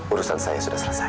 urusan saya sudah selesai